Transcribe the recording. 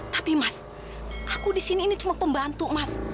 tapi mas aku di sini ini cuma pembantu mas